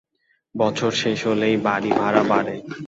বছর শেষ হলেই বাড়িভাড়া বাড়ে।